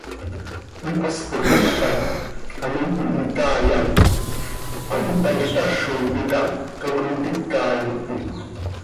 Cöipaspoj hizac ano cöihitai hac hant thanl tazo cöitáh, toc contica ihi.